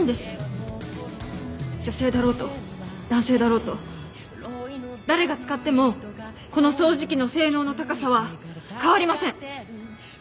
女性だろうと男性だろうと誰が使ってもこの掃除機の性能の高さは変わりません。